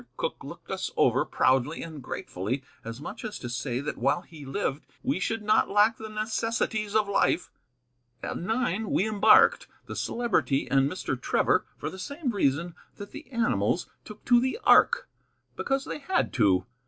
Cooke looked us over, proudly and gratefully, as much as to say that while he lived we should not lack the necessities of life. At nine we embarked, the Celebrity and Mr. Trevor for the same reason that the animals took to the ark, because they had to.